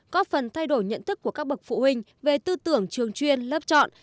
có phần thay đổi nhận thức của các bậc phụ huynh về tư tưởng trường chuyên lớp chọn